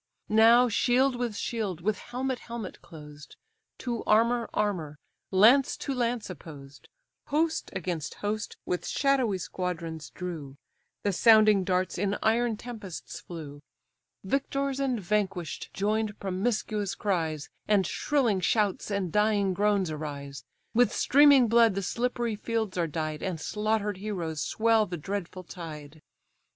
Now shield with shield, with helmet helmet closed, To armour armour, lance to lance opposed, Host against host with shadowy squadrons drew, The sounding darts in iron tempests flew, Victors and vanquish'd join'd promiscuous cries, And shrilling shouts and dying groans arise; With streaming blood the slippery fields are dyed, And slaughter'd heroes swell the dreadful tide.